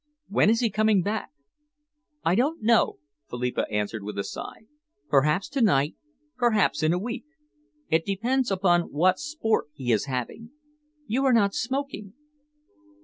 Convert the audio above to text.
When is he coming back?" "I never know," Philippa answered with a sigh. "Perhaps to night, perhaps in a week. It depends upon what sport he is having. You are not smoking."